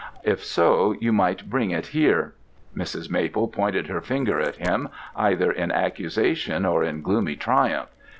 If so, you might bring it here.' Mrs. Maple pointed her finger at him, either in accusation or in gloomy triumph.